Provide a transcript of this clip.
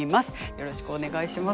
よろしくお願いします。